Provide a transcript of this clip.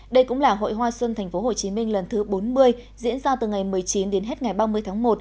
đây cũng là hội hoa xuân tp hcm lần thứ bốn mươi diễn ra từ ngày một mươi chín đến hết ngày ba mươi tháng một